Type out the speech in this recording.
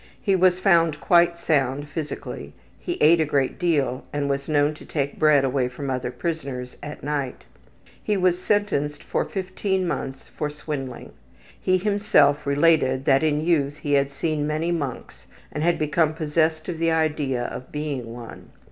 He was found quite sound physically. He ate a great deal and was known to take bread away from other prisoners at night. He was sentenced for 15 months for swindling. He himself related that in youth he had seen many monks and had become possessed of the idea of being one.